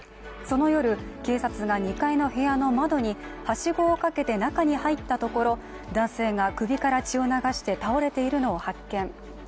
その夜、警察が２階の部屋の窓にはしごをかけて中に入ったところ、男性が首から血を流して倒れているのを発見。